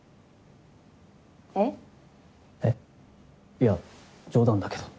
いや冗談だけど。